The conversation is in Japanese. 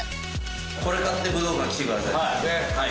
これ買って武道館来てください。